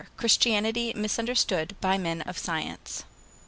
CHRISTIANITY MISUNDERSTOOD BY MEN OF SCIENCE.